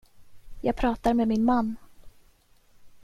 Jag pratar med min man.